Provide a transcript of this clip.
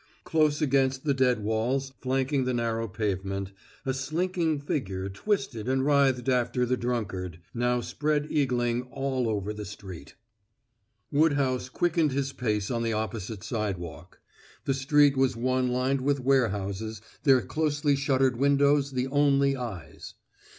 Close against the dead walls flanking the narrow pavement a slinking figure twisted and writhed after the drunkard, now spread eagling all over the street. Woodhouse quickened his pace on the opposite sidewalk. The street was one lined with warehouses, their closely shuttered windows the only eyes.